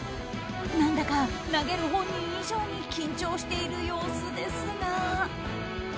何だか投げる本人以上に緊張している様子ですが。